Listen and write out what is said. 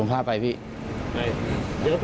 ราหัสอะไรครับ